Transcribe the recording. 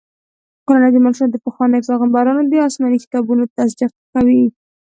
قرآن عظيم الشان د پخوانيو پيغمبرانو د اسماني کتابونو تصديق کوي